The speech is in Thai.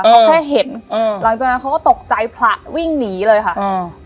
เขาแค่เห็นอ่าหลังจากนั้นเขาก็ตกใจผละวิ่งหนีเลยค่ะอ่า